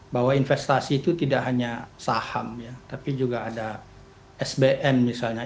bahwa investasi itu tidak hanya saham ya tapi juga ada sbn misalnya